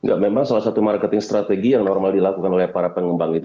ya memang salah satu marketing strategi yang normal dilakukan oleh para pengembang itu